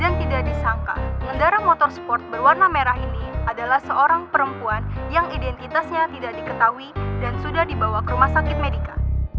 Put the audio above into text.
dan tidak disangka pengendara motor sport berwarna merah ini adalah seorang perempuan yang identitasnya tidak diketahui dan sudah dibawa ke rumah sakit medika